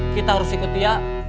kita harus ikut dia